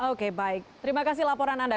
oke baik terima kasih laporan anda